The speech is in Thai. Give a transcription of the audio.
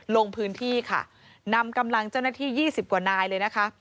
ลงพื้นที่ค่ะนำกำลังเจ้าหน้าที่๒๐กว่านายเลยนะคะ